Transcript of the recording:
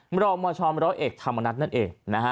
มรมชมรเอกธรรมนัฐนัดเอก